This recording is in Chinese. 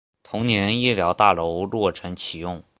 同年医疗大楼落成启用。